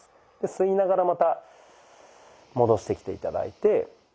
吸いながらまた戻してきて頂いて。